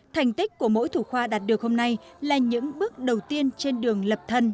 thành tích của mỗi thủ khoa đạt được hôm nay là những bước đầu tiên trên đường lập thân